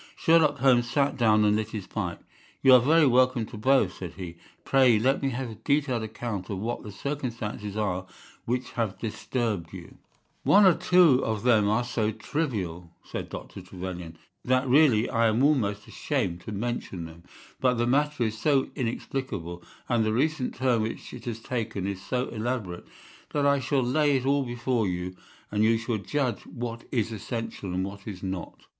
Sherlock Holmes sat down and lit his pipe. "You are very welcome to both," said he. "Pray let me have a detailed account of what the circumstances are which have disturbed you." "One or two of them are so trivial," said Dr. Trevelyan, "that really I am almost ashamed to mention them. But the matter is so inexplicable, and the recent turn which it has taken is so elaborate, that I shall lay it all before you, and you shall judge what is essential and what is not.